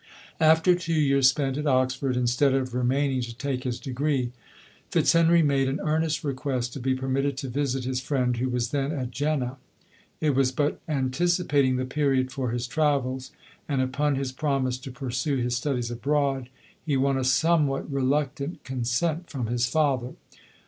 After two years spent at Oxford, instead of remaining to take his degree, Fitzhenry made an earnest request to be permitted to visit his friend, who was then at Jena. It was but anticipating the period for his travels, and upon his promise to pursue his studies abroad, he won a somewhat reluctant consent from his fa ther.